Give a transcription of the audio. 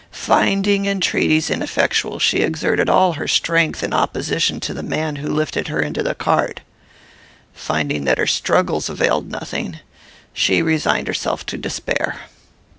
Finding entreaties ineffectual, she exerted all her strength in opposition to the man who lifted her into the cart. "Finding that her struggles availed nothing, she resigned herself to despair.